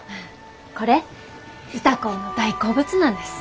これ歌子の大好物なんです。